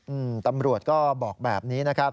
อืมตำรวจก็บอกแบบนี้นะครับ